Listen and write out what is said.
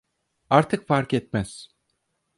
Artık fark etmez.